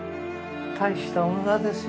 大した女ですよ